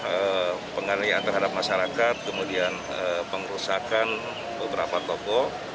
melakukan penganiakan terhadap masyarakat kemudian pengerusakan beberapa toko